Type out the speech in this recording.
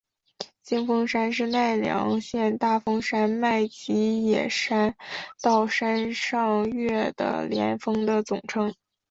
金峰山是奈良县大峰山脉吉野山到山上岳的连峰的总称。